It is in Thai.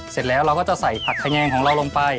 เสร็จแล้วเราก็จะใส่ผักแงงของเราลงไป